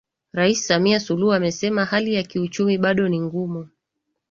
Rais samia suluhu amesema hali ya kiuchumi bado ni ngumu